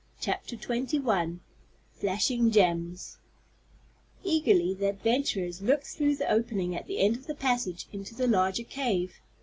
CHAPTER XXI FLASHING GEMS Eagerly the adventurers looked through the opening at the end of the passage into the larger cave.